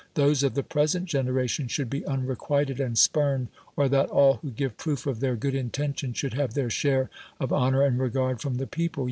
those of the })resent generation should be iinre(iuilfd and spurned, or tliat aii who uive pi'oof of their <:'oo(l inten tions sliouhl have their sliare of hont)r and reirard from the people?